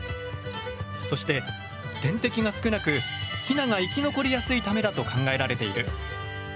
そして天敵が少なくヒナが生き残りやすいためだと考えられている。